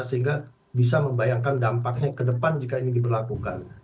sehingga bisa membayangkan dampaknya kedepan jika ini diberlakukan